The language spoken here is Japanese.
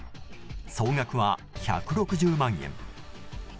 総額は１６０万円。